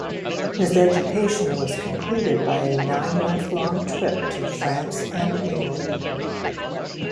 His education was completed by a nine-month-long trip to France and England.